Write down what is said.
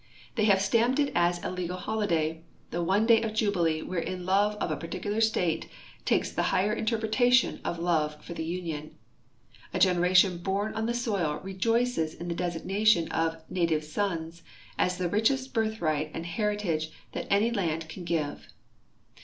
They haA'e stamped it as a legal holiday — the one day of jubilee AA'herein love of a particular state takes the higher interpretation of love for the Union. A generation horn on the soil rejoices in the designation of " Native Sons " as tlie richest birthright and lieritage that any land can give.